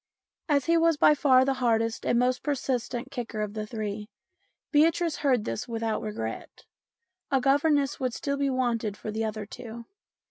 As he was by far the hardest and most persistent kicker of the three, Beatrice heard this without regret ; a governess would still be wanted for the other two.